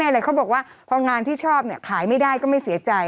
อะไรเขาบอกว่าพองานที่ชอบขายไม่ได้ก็ไม่เสียใจ